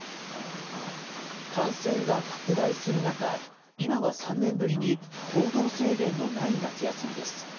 感染が拡大する中、今は３年ぶりに行動制限のない夏休みです。